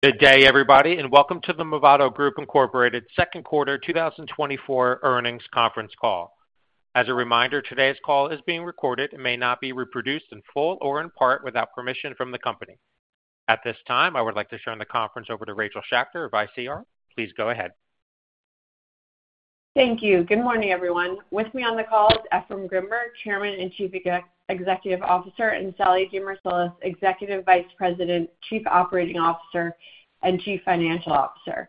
Good day, everybody, and welcome to the Movado Group Incorporated Q2 2024 Earnings Conference Call. As a reminder, today's call is being recorded and may not be reproduced in full or in part without permission from the company. At this time, I would like to turn the conference over to Rachel Schacter of ICR. Please go ahead. Thank you. Good morning, everyone. With me on the call is Efraim Grinberg, Chairman and Chief Executive Officer, and Sallie A. DeMarsilis, Executive Vice President, Chief Operating Officer, and Chief Financial Officer.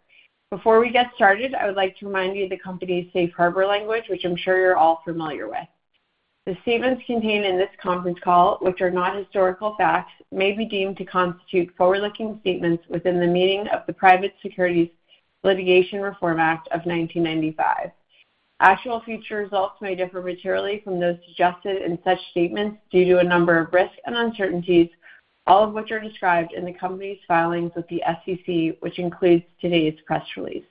Before we get started, I would like to remind you of the company's safe harbor language, which I'm sure you're all familiar with. The statements contained in this conference call, which are not historical facts, may be deemed to constitute forward-looking statements within the meaning of the Private Securities Litigation Reform Act of 1995. Actual future results may differ materially from those suggested in such statements due to a number of risks and uncertainties, all of which are described in the company's filings with the SEC, which includes today's press release.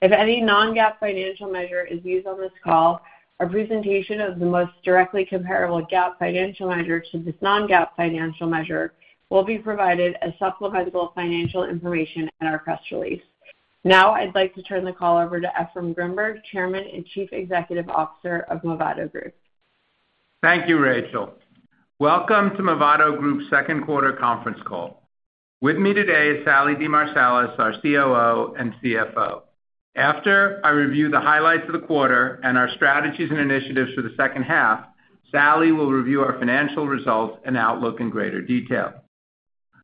If any non-GAAP financial measure is used on this call, a presentation of the most directly comparable GAAP financial measure to this non-GAAP financial measure will be provided as supplemental financial information in our press release. Now, I'd like to turn the call over to Efraim Grinberg, Chairman and Chief Executive Officer of Movado Group. Thank you, Rachel. Welcome to Movado Group's Q2 conference call. With me today is Sallie A. DeMarsilis, our COO and CFO. After I review the highlights of the quarter and our strategies and initiatives for the second half, Sallie will review our financial results and outlook in greater detail.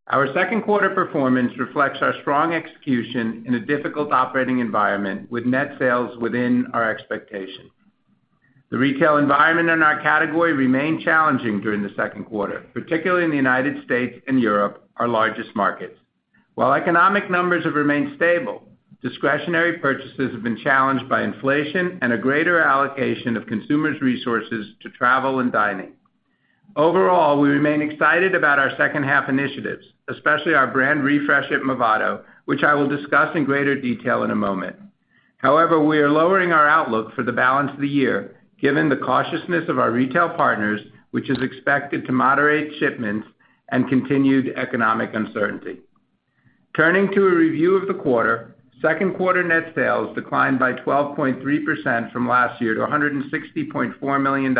Our Q2 performance reflects our strong execution in a difficult operating environment, with net sales within our expectations. The retail environment in our category remained challenging during the Q2, particularly in the United States and Europe, our largest markets. While economic numbers have remained stable, discretionary purchases have been challenged by inflation and a greater allocation of consumers' resources to travel and dining. Overall, we remain excited about our second-half initiatives, especially our brand refresh at Movado, which I will discuss in greater detail in a moment. However, we are lowering our outlook for the balance of the year, given the cautiousness of our retail partners, which is expected to moderate shipments and continued economic uncertainty. Turning to a review of the quarter, Q2 net sales declined by 12.3% from last year to $160.4 million,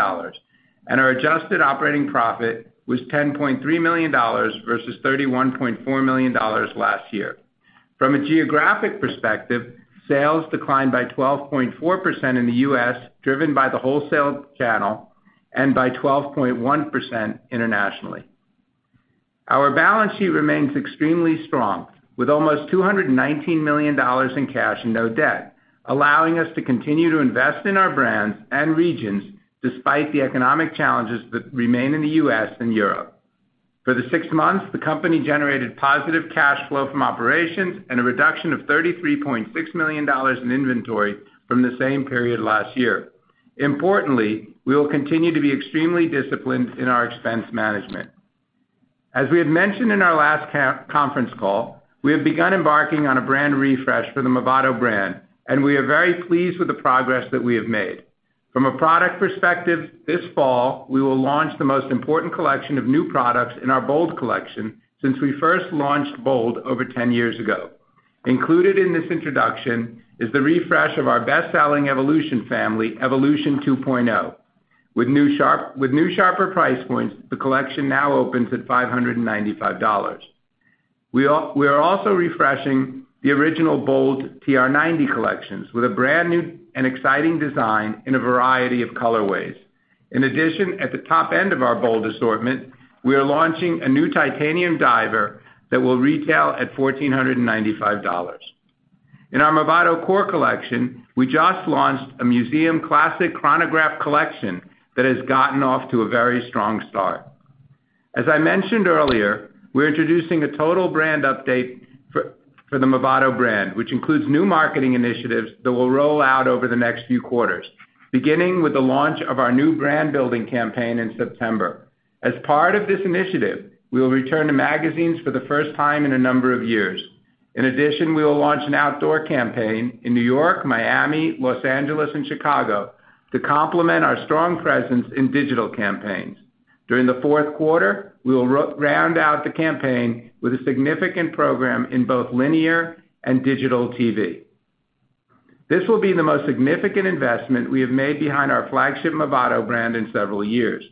and our adjusted operating profit was $10.3 million versus $31.4 million last year. From a geographic perspective, sales declined by 12.4% in the U.S., driven by the wholesale channel, and by 12.1% internationally. Our balance sheet remains extremely strong, with almost $219 million in cash and no debt, allowing us to continue to invest in our brands and regions despite the economic challenges that remain in the U.S. and Europe. For the six months, the company generated positive cash flow from operations and a reduction of $33.6 million in inventory from the same period last year. Importantly, we will continue to be extremely disciplined in our expense management. As we had mentioned in our last conference call, we have begun embarking on a brand refresh for the Movado brand, and we are very pleased with the progress that we have made. From a product perspective, this fall, we will launch the most important collection of new products in our Bold collection since we first launched Bold over 10 years ago. Included in this introduction is the refresh of our best-selling Evolution family, Evolution 2.0. With new, sharper price points, the collection now opens at $595. We are also refreshing the original Bold TR90 collections with a brand new and exciting design in a variety of colorways. In addition, at the top end of our Bold assortment, we are launching a new Titanium Diver that will retail at $1,495. In our Movado core collection, we just launched a Museum Classic Chronograph collection that has gotten off to a very strong start. As I mentioned earlier, we're introducing a total brand update for the Movado brand, which includes new marketing initiatives that will roll out over the next few quarters, beginning with the launch of our new brand-building campaign in September. As part of this initiative, we will return to magazines for the first time in a number of years. In addition, we will launch an outdoor campaign in New York, Miami, Los Angeles, and Chicago to complement our strong presence in digital campaigns. During the Q4, we will round out the campaign with a significant program in both linear and digital TV. This will be the most significant investment we have made behind our flagship Movado brand in several years.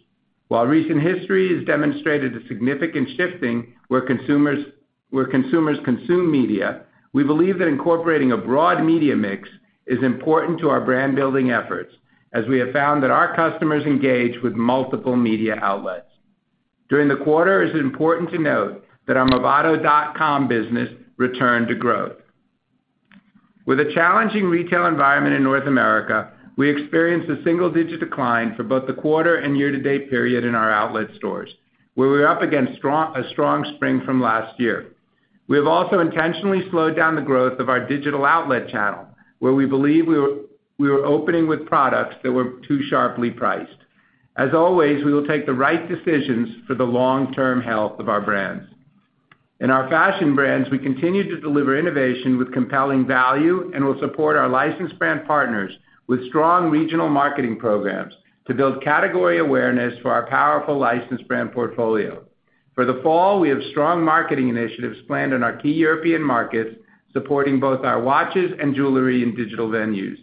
While recent history has demonstrated a significant shifting where consumers consume media, we believe that incorporating a broad media mix is important to our brand-building efforts, as we have found that our customers engage with multiple media outlets. During the quarter, it's important to note that our Movado.com business returned to growth. With a challenging retail environment in North America, we experienced a single-digit decline for both the quarter and year-to-date period in our outlet stores, where we're up against a strong spring from last year. We have also intentionally slowed down the growth of our digital outlet channel, where we believe we were opening with products that were too sharply priced. As always, we will take the right decisions for the long-term health of our brands. In our fashion brands, we continue to deliver innovation with compelling value and will support our licensed brand partners with strong regional marketing programs to build category awareness for our powerful licensed brand portfolio. For the fall, we have strong marketing initiatives planned in our key European markets, supporting both our watches and jewelry in digital venues,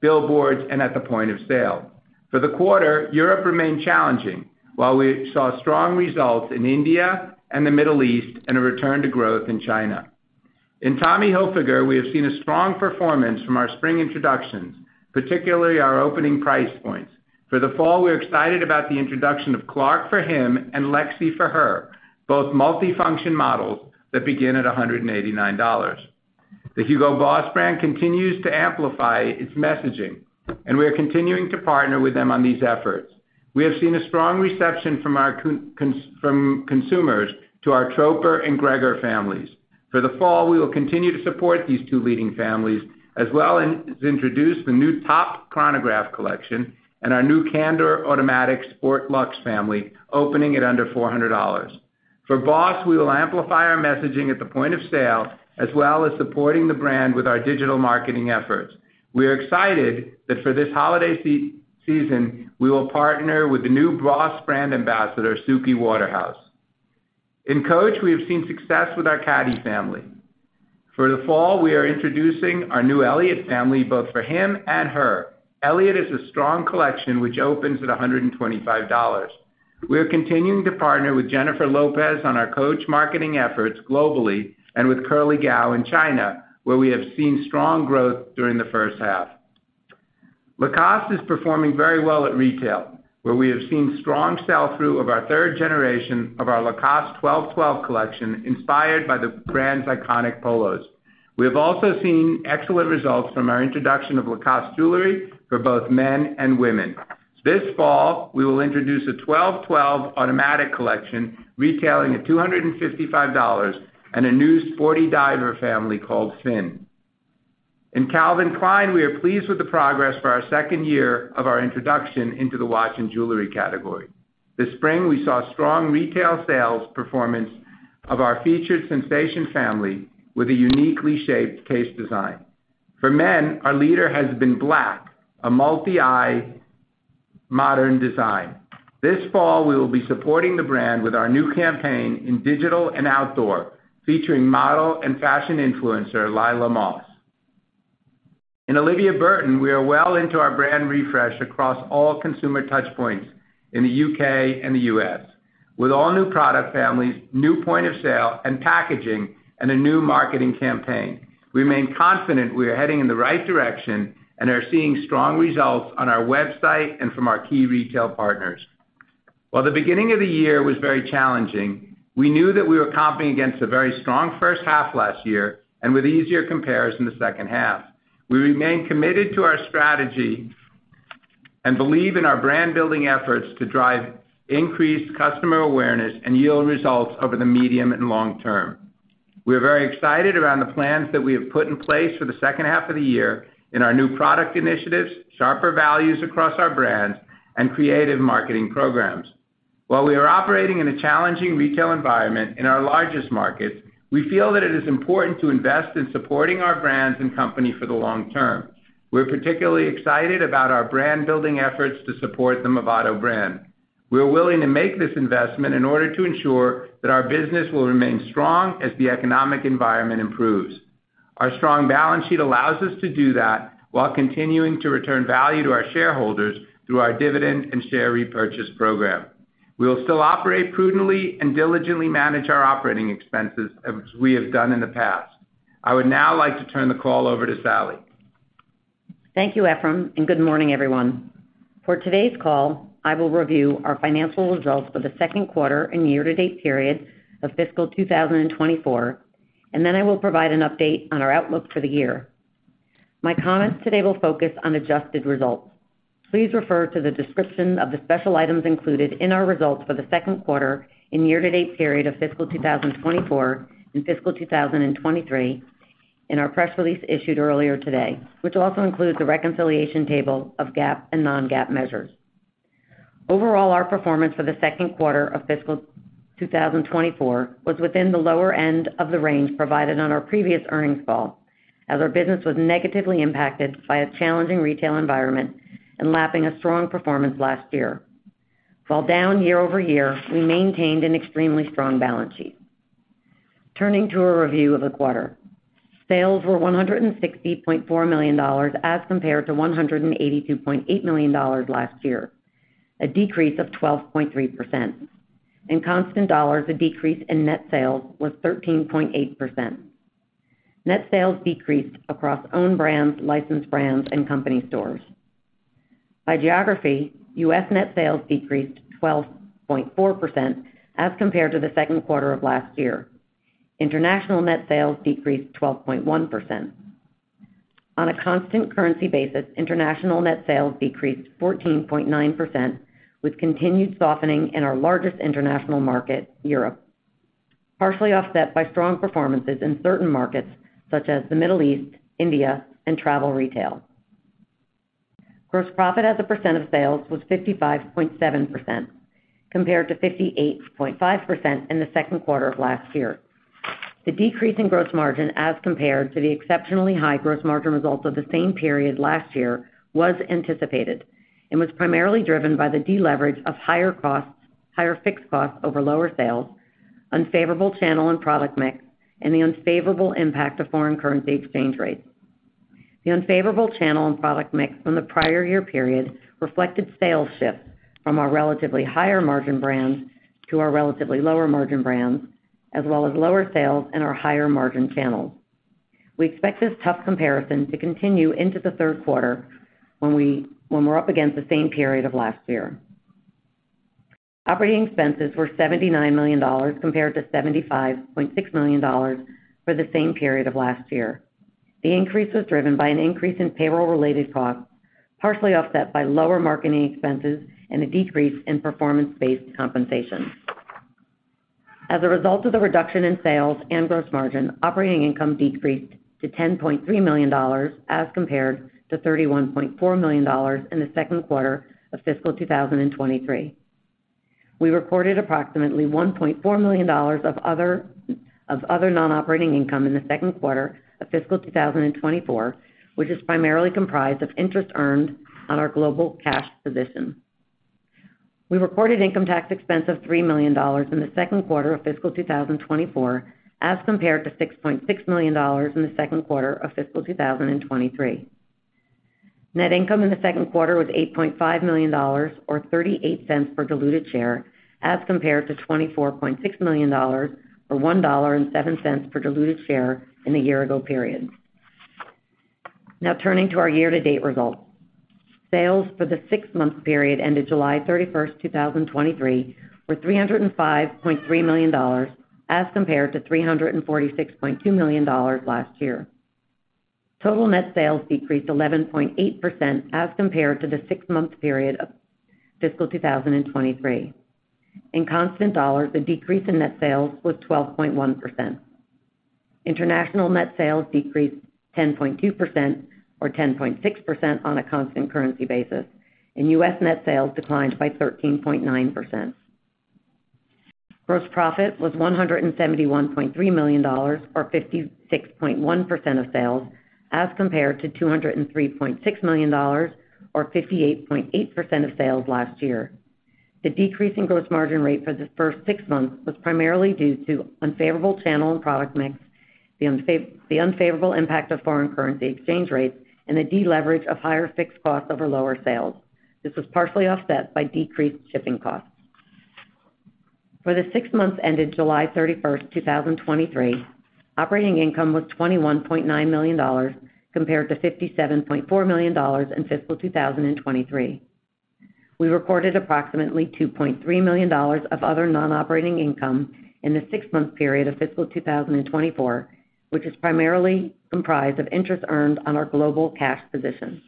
billboards, and at the point of sale. For the quarter, Europe remained challenging, while we saw strong results in India and the Middle East, and a return to growth in China. In Tommy Hilfiger, we have seen a strong performance from our spring introductions, particularly our opening price points. For the fall, we're excited about the introduction of Clark for him and Lexi for her, both multifunction models that begin at $189. The Hugo Boss brand continues to amplify its messaging, and we are continuing to partner with them on these efforts. We have seen a strong reception from consumers to our Troper and Gregor families. For the fall, we will continue to support these two leading families, as well as introduce the new Top Chronograph collection and our new Candor Automatic Sport Luxe Family, opening at under $400. For BOSS, we will amplify our messaging at the point of sale, as well as supporting the brand with our digital marketing efforts. We are excited that for this holiday season, we will partner with the new BOSS brand ambassador, Suki Waterhouse. In Coach, we have seen success with our Caddy family. For the fall, we are introducing our new Elliot family, both for him and her. Elliot is a strong collection, which opens at $125. We are continuing to partner with Jennifer Lopez on our Coach marketing efforts globally and with Curley Gao in China, where we have seen strong growth during the first half. Lacoste is performing very well at retail, where we have seen strong sell-through of our third generation of our Lacoste 12.12 collection, inspired by the brand's iconic polos. We have also seen excellent results from our introduction of Lacoste jewelry for both men and women. This fall, we will introduce a 12.12 Automatic collection, retailing at $255, and a new sporty diver family called Finn. In Calvin Klein, we are pleased with the progress for our second year of our introduction into the watch and jewelry category. This spring, we saw strong retail sales performance of our featured Sensation family, with a uniquely shaped case design. For men, our leader has been Black, a multi-eye modern design. This fall, we will be supporting the brand with our new campaign in digital and outdoor, featuring model and fashion influencer, Lila Moss. In Olivia Burton, we are well into our brand refresh across all consumer touchpoints in the UK and the US, with all new product families, new point of sale and packaging, and a new marketing campaign. We remain confident we are heading in the right direction and are seeing strong results on our website and from our key retail partners. While the beginning of the year was very challenging, we knew that we were competing against a very strong first half last year, and with easier compares in the second half. We remain committed to our strategy and believe in our brand-building efforts to drive increased customer awareness and yield results over the medium and long term. We are very excited around the plans that we have put in place for the second half of the year in our new product initiatives, sharper values across our brands, and creative marketing programs. While we are operating in a challenging retail environment in our largest markets, we feel that it is important to invest in supporting our brands and company for the long term. We're particularly excited about our brand-building efforts to support the Movado brand. We are willing to make this investment in order to ensure that our business will remain strong as the economic environment improves. Our strong balance sheet allows us to do that while continuing to return value to our shareholders through our dividend and share repurchase program. We will still operate prudently and diligently manage our operating expenses, as we have done in the past. I would now like to turn the call over to Sallie. Thank you, Efraim, and good morning, everyone. For today's call, I will review our financial results for the Q2 and year-to-date period of fiscal 2024, and then I will provide an update on our outlook for the year. My comments today will focus on adjusted results. Please refer to the description of the special items included in our results for the Q2 and year-to-date period of fiscal 2024 and fiscal 2023 in our press release issued earlier today, which also includes a reconciliation table of GAAP and non-GAAP measures. Overall, our performance for the Q2 of fiscal 2024 was within the lower end of the range provided on our previous earnings call, as our business was negatively impacted by a challenging retail environment and lapping a strong performance last year. While down year-over-year, we maintained an extremely strong balance sheet. Turning to a review of the quarter. Sales were $160.4 million, as compared to $182.8 million last year, a decrease of 12.3%. In constant dollars, the decrease in net sales was 13.8%. Net sales decreased across own brands, licensed brands, and company stores. By geography, U.S. net sales decreased 12.4% as compared to the Q2 of last year. International net sales decreased 12.1%. On a constant currency basis, international net sales decreased 14.9%, with continued softening in our largest international market, Europe, partially offset by strong performances in certain markets, such as the Middle East, India, and travel retail. Gross profit as a percent of sales was 55.7%, compared to 58.5% in the Q2 of last year. The decrease in gross margin as compared to the exceptionally high gross margin results of the same period last year was anticipated and was primarily driven by the deleverage of higher costs, higher fixed costs over lower sales, unfavorable channel and product mix, and the unfavorable impact of foreign currency exchange rates. The unfavorable channel and product mix from the prior year period reflected sales shifts from our relatively higher margin brands to our relatively lower margin brands, as well as lower sales in our higher margin channels. We expect this tough comparison to continue into the Q3, when we're up against the same period of last year. Operating expenses were $79 million compared to $75.6 million for the same period of last year. The increase was driven by an increase in payroll-related costs, partially offset by lower marketing expenses and a decrease in performance-based compensations. As a result of the reduction in sales and gross margin, operating income decreased to $10.3 million, as compared to $31.4 million in the Q2 of fiscal 2023. We reported approximately $1.4 million of other non-operating income in the Q2 of fiscal 2024, which is primarily comprised of interest earned on our global cash position. We reported income tax expense of $3 million in the Q2 of fiscal 2024, as compared to $6.6 million in the Q2 of fiscal 2023. Net income in the Q2 was $8.5 million, or $0.38 per diluted share, as compared to $24.6 million, or $1.07 per diluted share in the year ago period. Now turning to our year-to-date results. Sales for the six-month period ended July 31, 2023, were $305.3 million, as compared to $346.2 million last year. Total net sales decreased 11.8% as compared to the six-month period of fiscal 2023. In constant dollars, the decrease in net sales was 12.1%. International net sales decreased 10.2%, or 10.6% on a constant currency basis, and U.S. net sales declined by 13.9%. Gross profit was $171.3 million, or 56.1% of sales, as compared to $203.6 million, or 58.8% of sales last year. The decrease in gross margin rate for the first six months was primarily due to unfavorable channel and product mix, the unfavorable impact of foreign currency exchange rates, and the deleverage of higher fixed costs over lower sales. This was partially offset by decreased shipping costs. For the six months ended July 31, 2023, operating income was $21.9 million, compared to $57.4 million in fiscal 2023. We recorded approximately $2.3 million of other non-operating income in the six-month period of fiscal 2024, which is primarily comprised of interest earned on our global cash position.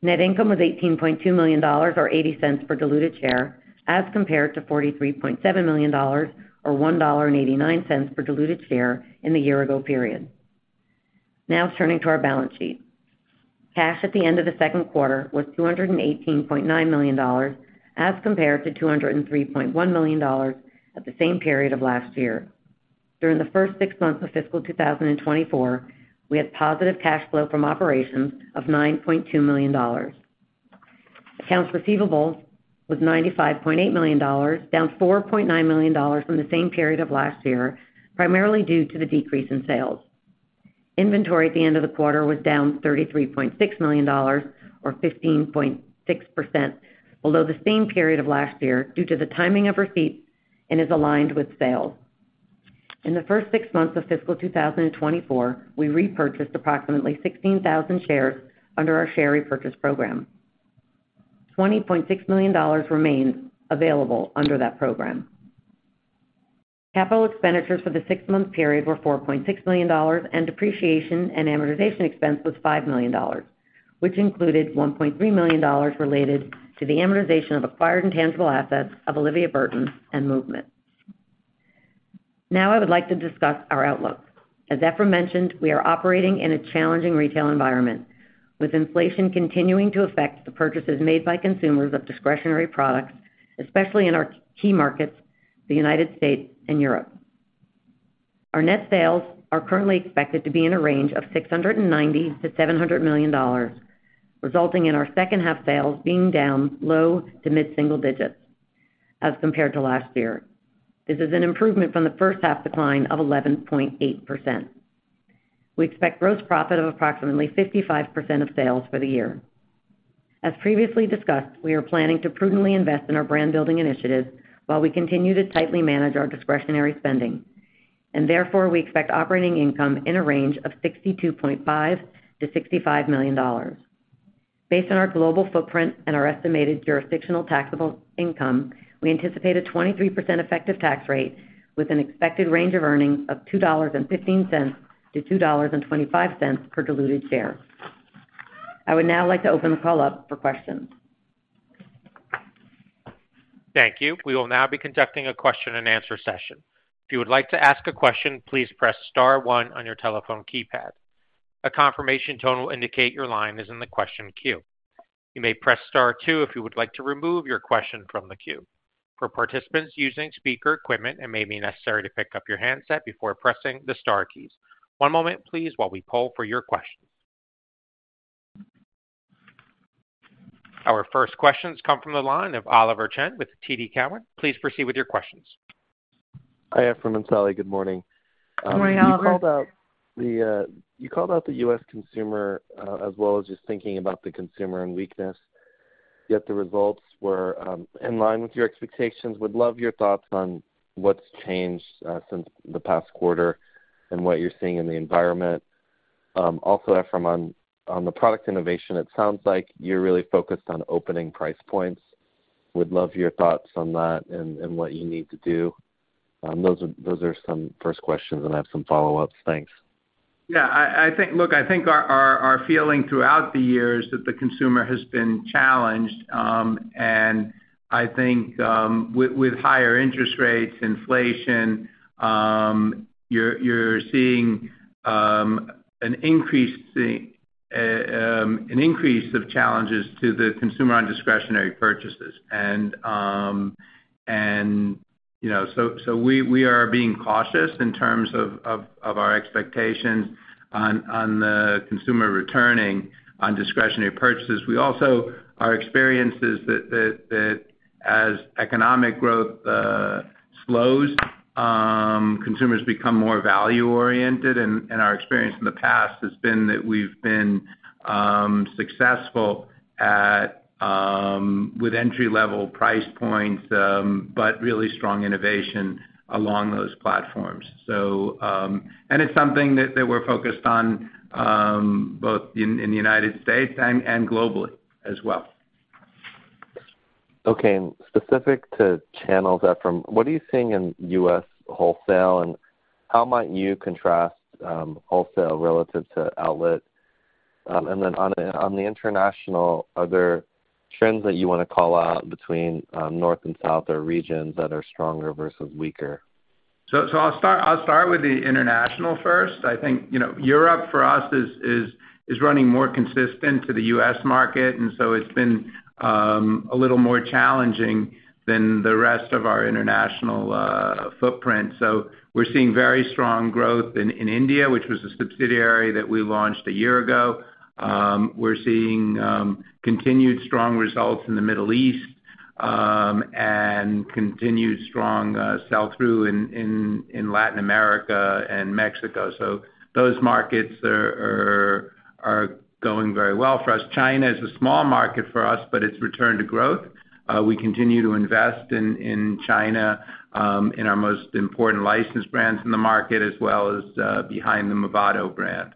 Net income was $18.2 million, or $0.80 per diluted share, as compared to $43.7 million, or $1.89 per diluted share in the year-ago period. Now turning to our balance sheet. Cash at the end of the Q2 was $218.9 million, as compared to $203.1 million at the same period of last year. During the first six months of fiscal 2024, we had positive cash flow from operations of $9.2 million. Accounts receivable was $95.8 million, down $4.9 million from the same period of last year, primarily due to the decrease in sales. Inventory at the end of the quarter was down $33.6 million, or 15.6%, below the same period of last year due to the timing of receipts and is aligned with sales. In the first six months of fiscal 2024, we repurchased approximately 16,000 shares under our share repurchase program. $20.6 million remains available under that program. Capital expenditures for the six-month period were $4.6 million, and depreciation and amortization expense was $5 million, which included $1.3 million related to the amortization of acquired intangible assets of Olivia Burton and MVMT. Now I would like to discuss our outlook. As Efra mentioned, we are operating in a challenging retail environment, with inflation continuing to affect the purchases made by consumers of discretionary products, especially in our key markets, the United States and Europe. Our net sales are currently expected to be in a range of $690 million-$700 million, resulting in our second half sales being down low to mid-single digits as compared to last year. This is an improvement from the first half decline of 11.8%. We expect gross profit of approximately 55% of sales for the year. As previously discussed, we are planning to prudently invest in our brand building initiatives while we continue to tightly manage our discretionary spending, and therefore we expect operating income in a range of $62.5 million-$65 million. Based on our global footprint and our estimated jurisdictional taxable income, we anticipate a 23% effective tax rate with an expected range of earnings of $2.15-$2.25 per diluted share. I would now like to open the call up for questions. Thank you. We will now be conducting a question-and-answer session. If you would like to ask a question, please press star one on your telephone keypad. A confirmation tone will indicate your line is in the question queue... You may press star two if you would like to remove your question from the queue. For participants using speaker equipment, it may be necessary to pick up your handset before pressing the star keys. One moment please, while we poll for your questions. Our first questions come from the line of Oliver Chen with TD Cowen. Please proceed with your questions. Hi, Efraim and Sallie. Good morning. Good morning, Oliver. You called out the U.S. consumer, as well as just thinking about the consumer and weakness, yet the results were in line with your expectations. Would love your thoughts on what's changed since the past quarter and what you're seeing in the environment. Also, Efraim, on the product innovation, it sounds like you're really focused on opening price points. Would love your thoughts on that and what you need to do. Those are some first questions, and I have some follow-ups. Thanks. Yeah, I think. Look, I think our feeling throughout the years that the consumer has been challenged, and I think with higher interest rates, inflation, you're seeing an increase of challenges to the consumer on discretionary purchases. And, you know, so we are being cautious in terms of our expectations on the consumer returning on discretionary purchases. We also, our experience is that as economic growth slows, consumers become more value-oriented, and our experience in the past has been that we've been successful with entry-level price points, but really strong innovation along those platforms. So, it's something that we're focused on both in the United States and globally as well. Okay. And specific to channels, Efraim, what are you seeing in U.S. wholesale, and how might you contrast, wholesale relative to outlet? And then on the international, are there trends that you want to call out between, north and south or regions that are stronger versus weaker? I'll start with the international first. I think, you know, Europe for us is running more consistent to the U.S. market, and so it's been a little more challenging than the rest of our international footprint. So we're seeing very strong growth in India, which was a subsidiary that we launched a year ago. We're seeing continued strong results in the Middle East, and continued strong sell-through in Latin America and Mexico. So those markets are going very well for us. China is a small market for us, but it's returned to growth. We continue to invest in China in our most important licensed brands in the market, as well as behind the Movado brand.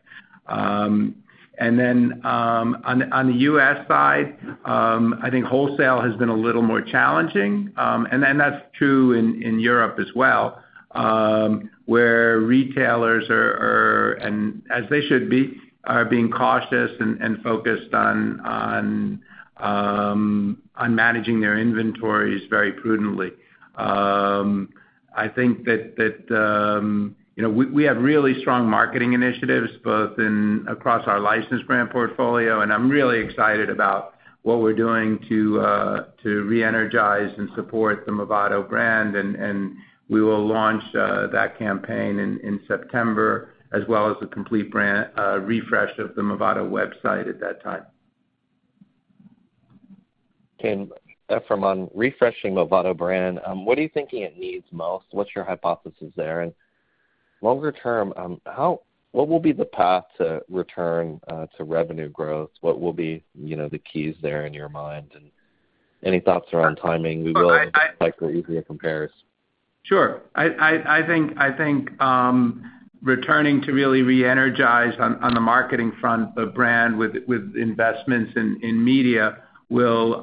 Then, on the U.S. side, I think wholesale has been a little more challenging. That's true in Europe as well, where retailers are and, as they should be, are being cautious and focused on managing their inventories very prudently. I think that you know, we have really strong marketing initiatives both across our licensed brand portfolio, and I'm really excited about what we're doing to reenergize and support the Movado brand. We will launch that campaign in September, as well as the complete brand refresh of the Movado website at that time. Okay. Efraim, on refreshing Movado brand, what are you thinking it needs most? What's your hypothesis there? And longer term, what will be the path to return to revenue growth? What will be, you know, the keys there in your mind, and any thoughts around timing? We will- Sure, I— Likely easier compares. Sure. I think returning to really reenergize on the marketing front the brand with investments in media will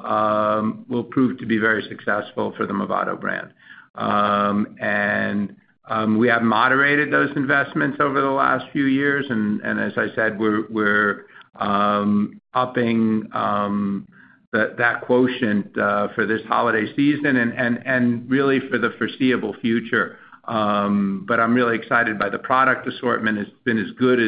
prove to be very successful for the Movado brand. And we have moderated those investments over the last few years, and as I said, we're upping that quotient for this holiday season and really for the foreseeable future. But I'm really excited by the product assortment. It's been as good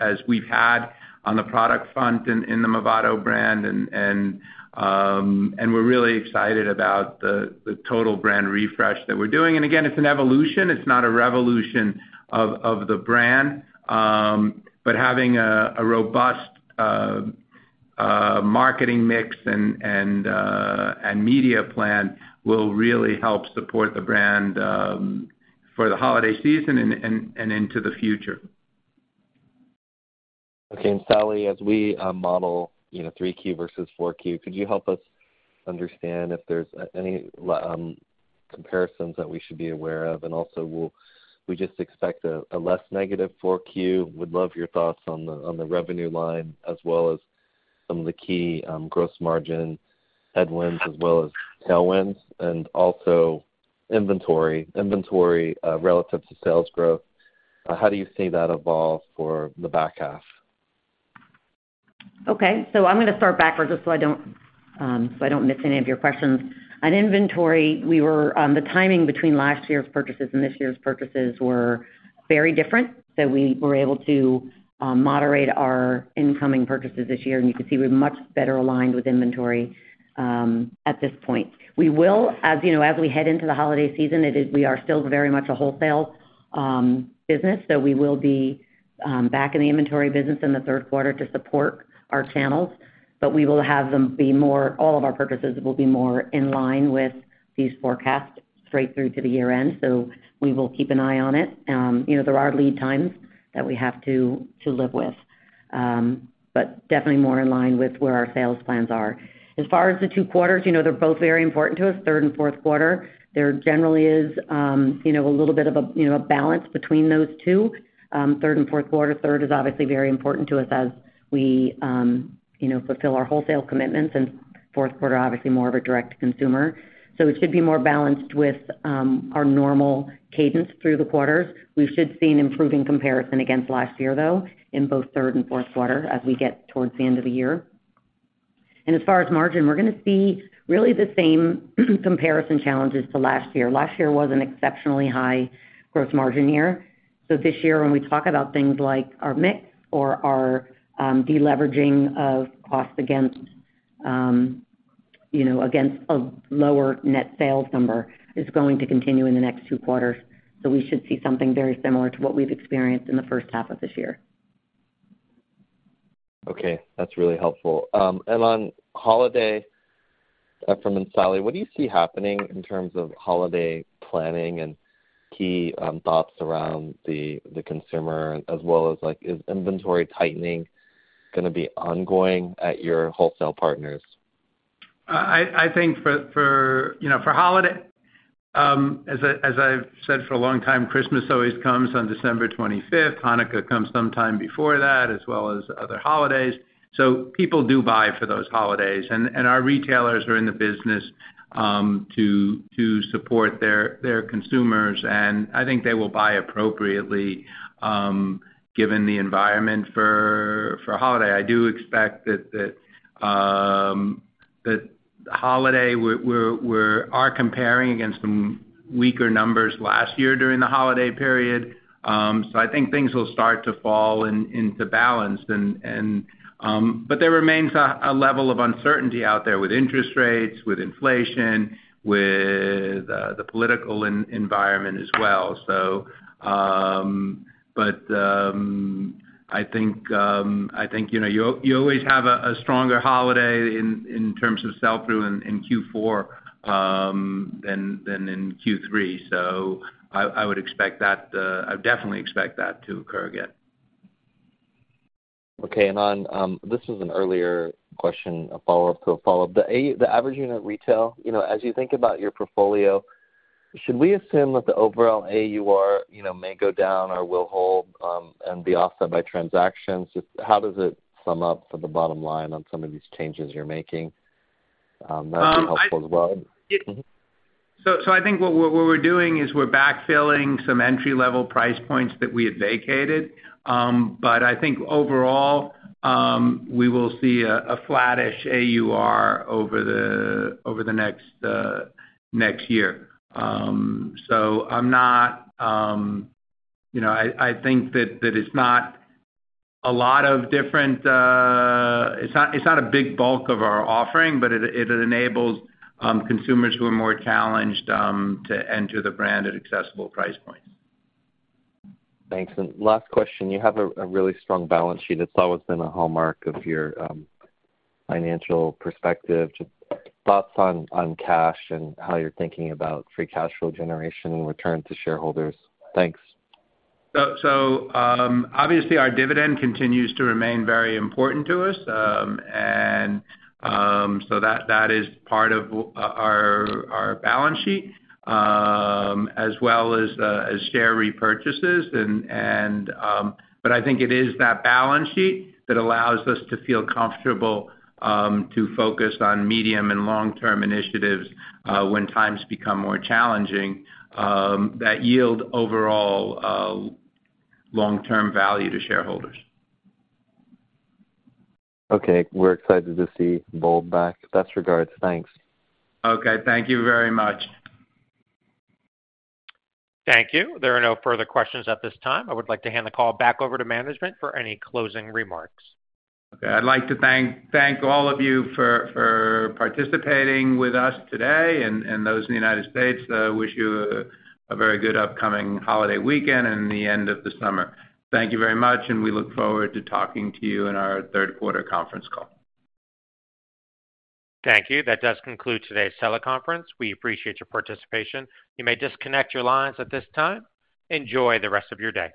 as we've had on the product front in the Movado brand, and we're really excited about the total brand refresh that we're doing. And again, it's an evolution, it's not a revolution of the brand. But having a robust marketing mix and media plan will really help support the brand for the holiday season and into the future. Okay, and Sally, as we model, you know, 3Q versus 4Q, could you help us understand if there's any comparisons that we should be aware of? And also, will we just expect a less negative 4Q? Would love your thoughts on the, on the revenue line, as well as some of the key gross margin headwinds as well as tailwinds, and also inventory, inventory relative to sales growth. How do you see that evolve for the back half? Okay. So I'm gonna start backwards just so I don't forget, so I don't miss any of your questions. On inventory, we were, the timing between last year's purchases and this year's purchases were very different. So we were able to moderate our incoming purchases this year, and you can see we're much better aligned with inventory at this point. We will, as you know, as we head into the holiday season, it is, we are still very much a wholesale business, so we will be back in the inventory business in the Q3 to support our channels. But we will have them be more, all of our purchases will be more in line with these forecasts straight through to the year end. So we will keep an eye on it. You know, there are lead times that we have to, to live with, but definitely more in line with where our sales plans are. As far as the two quarters, you know, they're both very important to us, Q3 and Q4. There generally is, you know, a little bit of a, you know, a balance between those Q2, Q3, and Q4. Third is obviously very important to us as we, you know, fulfill our wholesale commitments, and Q4, obviously more of a direct-to-consumer. So it should be more balanced with, our normal cadence through the quarters. We should see an improving comparison against last year, though, in both Q3 and Q4 as we get towards the end of the year. As far as margin, we're gonna see really the same comparison challenges to last year. Last year was an exceptionally high gross margin year. So this year, when we talk about things like our mix or our, deleveraging of costs against, you know, against a lower net sales number, is going to continue in the next two quarters. So we should see something very similar to what we've experienced in the first half of this year. Okay, that's really helpful. And on holiday, Efraim and Sallie, what do you see happening in terms of holiday planning and key thoughts around the consumer, as well as, like, is inventory tightening gonna be ongoing at your wholesale partners? I think, you know, for holiday, as I've said for a long time, Christmas always comes on December 25. Hanukkah comes sometime before that, as well as other holidays. So people do buy for those holidays, and our retailers are in the business to support their consumers, and I think they will buy appropriately, given the environment for holiday. I do expect that holiday, we're comparing against some weaker numbers last year during the holiday period. So I think things will start to fall into balance. But there remains a level of uncertainty out there with interest rates, with inflation, with the political environment as well. So... I think, you know, you always have a stronger holiday in terms of sell-through in Q4 than in Q3. So I would expect that. I definitely expect that to occur again. Okay, and on, this is an earlier question, a follow-up to a follow-up. The average unit retail, you know, as you think about your portfolio, should we assume that the overall AUR, you know, may go down or will hold, and be offset by transactions? Just how does it sum up for the bottom line on some of these changes you're making? That'd be helpful as well. Mm-hmm. I think what we're doing is we're backfilling some entry-level price points that we had vacated. But I think overall, we will see a flattish AUR over the next year. So I'm not, you know, I think that it's not a lot of different... It's not a big bulk of our offering, but it enables consumers who are more challenged to enter the brand at accessible price points. Thanks. And last question, you have a really strong balance sheet. It's always been a hallmark of your financial perspective. Just thoughts on cash and how you're thinking about free cash flow generation and return to shareholders. Thanks. Obviously, our dividend continues to remain very important to us. That is part of our balance sheet, as well as share repurchases. But I think it is that balance sheet that allows us to feel comfortable to focus on medium and long-term initiatives when times become more challenging that yield overall long-term value to shareholders. Okay. We're excited to see Bold back. Best regards. Thanks. Okay. Thank you very much. Thank you. There are no further questions at this time. I would like to hand the call back over to management for any closing remarks. Okay. I'd like to thank all of you for participating with us today, and those in the United States wish you a very good upcoming holiday weekend and the end of the summer. Thank you very much, and we look forward to talking to you in our Q3 conference call. Thank you. That does conclude today's teleconference. We appreciate your participation. You may disconnect your lines at this time. Enjoy the rest of your day.